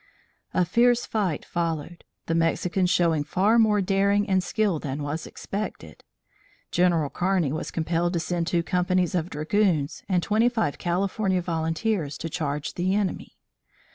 A fierce fight followed, the Mexicans showing far more daring and skill than was expected. General Kearney was compelled to send two companies of dragoons and twenty five California volunteers to charge the enemy.